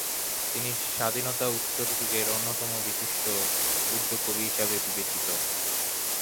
তিনি স্বাধীনতা-উত্তর যুগের অন্যতম বিশিষ্ট উর্দু কবি হিসাবে বিবেচিত।